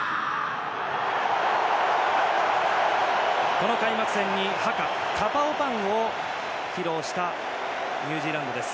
この開幕戦のハカを披露したニュージーランドです。